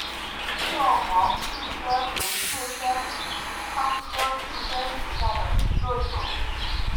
蔗黄杜鹃为杜鹃花科杜鹃属下的一个种。